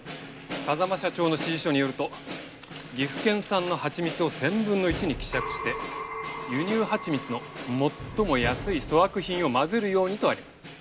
風間社長の指示書によると岐阜県産の蜂蜜を１０００分の１に希釈して輸入蜂蜜の最も安い粗悪品をまぜるようにとあります。